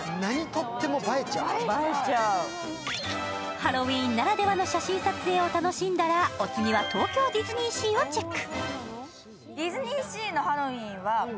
ハロウィーンならではの写真撮影を楽しんだらお次は東京ディズニーシーをチェック。